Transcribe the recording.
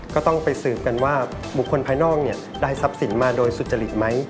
ก็ต้องไปสืบกันว่าบุคคลภายนอกได้ทรัพย์สินมาโดยสุจริตไหม